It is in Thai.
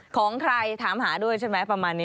ของใครถามหาด้วยใช่ไหมประมาณนี้